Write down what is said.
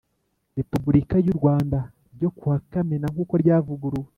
Repubulika y u Rwanda ryo kuwa Kamena nk uko ryavuguruwe